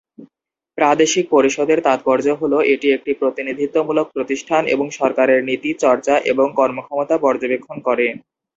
প্রাদেশিক পরিষদের তাৎপর্য হল এটি একটি প্রতিনিধিত্বমূলক প্রতিষ্ঠান এবং সরকারের নীতি, চর্চা এবং কর্মক্ষমতা পর্যবেক্ষণ করে।